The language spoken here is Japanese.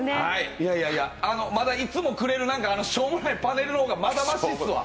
いやいやいや、いつもくれるしょーもないパネルの方がまだマシっすわ。